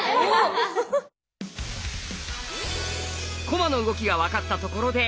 駒の動きが分かったところで。